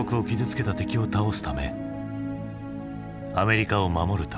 アメリカを守るため。